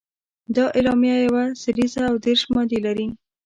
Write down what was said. دا اعلامیه یوه سريزه او دېرش مادې لري.